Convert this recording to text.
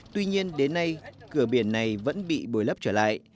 tuy nhiên đến nay cửa biển này vẫn bị bồi lấp trở lại